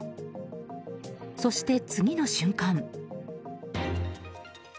そして、次の瞬間。